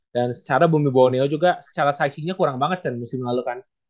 dan secara bumi bawoneo juga secara sizingnya kurang banget kan musim lalu kan